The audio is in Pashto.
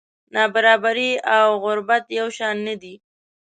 نابرابري او غربت یو شان نه دي.